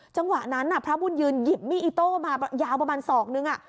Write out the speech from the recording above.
จังหวะนั้นพระบุญยืนหยิบมีดอิโต้มายาวประมาณศอกนึง